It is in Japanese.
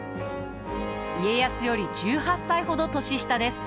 家康より１８歳ほど年下です。